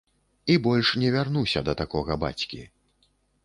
І больш не вярнуся да такога бацькі.